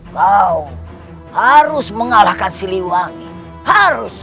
kau harus mengalahkan siliwangi harus